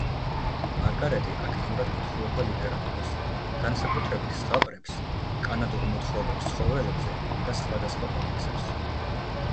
მარგარეტი აქტიურად კითხულობდა ლიტერატურას, განსაკუთრებით ზღაპრებს, კანადურ მოთხრობებს ცხოველებზე და სხვადასხვა კომიქსებს.